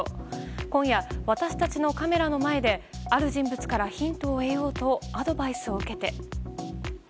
今夜、私たちのカメラの前である人物からヒントを得ようとアドバイスを受けて。